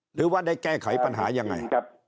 หรือว่าได้แก้ไขปัญหายังไง